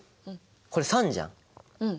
これ酸じゃん。